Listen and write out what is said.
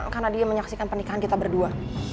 karena dia menyaksikan pernikahan kita berdua